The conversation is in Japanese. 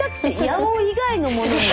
八尾以外のものに。